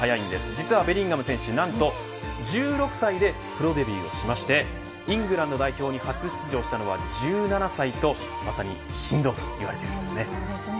実はべリンガム選手、何と１６歳でプロデビューしましてイングランド代表に初出場したのは１７歳とまさに神童と言われているんですね。